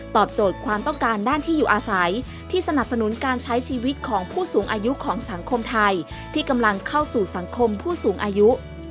โจทย์ความต้องการด้านที่อยู่อาศัยที่สนับสนุนการใช้ชีวิตของผู้สูงอายุของสังคมไทยที่กำลังเข้าสู่สังคมผู้สูงอายุ